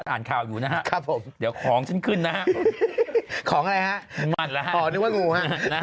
อ่านข่าวอยู่นะครับเดี๋ยวของฉันขึ้นนะครับของอะไรฮะมันละฮะนึกว่างูฮะ